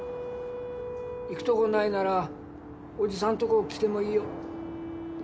行くとこないならおじさんとこ来てもいいよ。